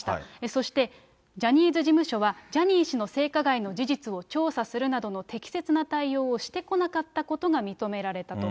そしてジャニーズ事務所は、ジャニー氏の性加害の事実を調査するなどの適切な対応をしてこなかったことが認められたと。